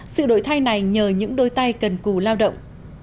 sự đổi thay này nhờ những đôi tay cần cù lao động